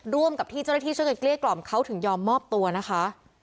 ร่วมกับที่เจ้าหน้าที่ช่วยกันเกลี้ยกล่อมเขาถึงยอมมอบตัวนะคะ